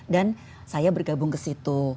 saya bergabung ke situ